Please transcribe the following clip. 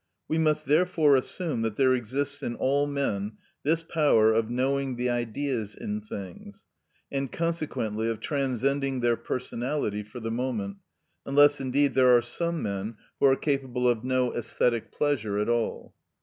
We must therefore assume that there exists in all men this power of knowing the Ideas in things, and consequently of transcending their personality for the moment, unless indeed there are some men who are capable of no æsthetic pleasure at all.